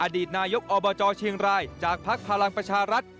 อดีตนายกอบจเชียงรายจากภักดิ์พลังประชารัฐ